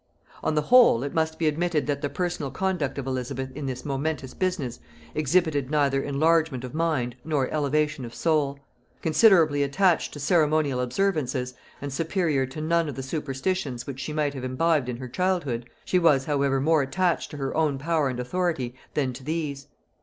On the whole, it must be admitted that the personal conduct of Elizabeth in this momentous business exhibited neither enlargement of mind nor elevation of soul. Considerably attached to ceremonial observances, and superior to none of the superstitions which she might have imbibed in her childhood, she was however more attached to her own power and authority than to these.